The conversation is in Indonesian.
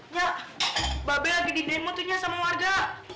nyak be lagi di demo tuh nya sama warga